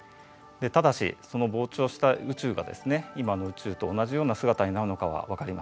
ただしその膨張した宇宙がですね今の宇宙と同じような姿になるのかは分かりませんね。